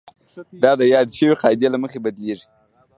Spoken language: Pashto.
دا د یادې شوې قاعدې له مخې بدلیږي.